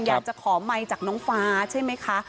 อยากจะขอไมค์จากน้องฟ้าใช่ไหมคะ